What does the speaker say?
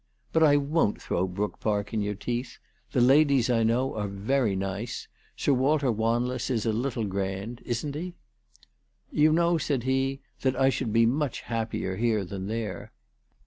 But I won't throw Brook Park in your teeth. The ladies I know are very nice. Sir Walter Wanless is a little grand ; isn't he ?" "You know," said he, " that I should be much hap pier here than there."